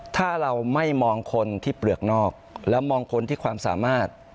ถ้าเราไม่มองคนที่เปลือกนอกแล้วมองคนที่ความสามารถ